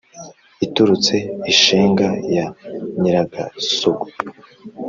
iturutse i shenga ya nyirigasogwe,